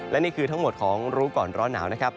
และนี่คือทั้งหมดของรู้ก่อนร้อนหนาวนะครับ